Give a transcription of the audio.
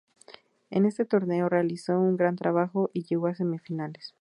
En ese torneo realizó un gran trabajo y llegó a semifinales.